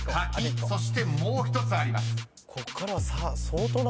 ［そしてもう１つあります］